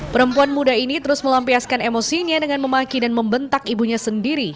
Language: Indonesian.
perempuan muda ini terus melampiaskan emosinya dengan memaki dan membentak ibunya sendiri